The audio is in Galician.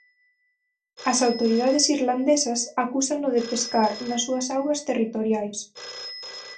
As autoridades irlandesas acúsano de pescar nas súas augas territoriais.